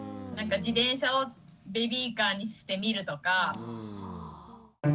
自転車をベビーカーにしてみるとか。